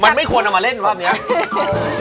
มันไม่ควรเอามาเล่นรอบนี้